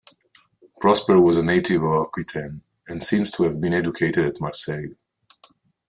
Prosper was a native of Aquitaine, and seems to have been educated at Marseilles.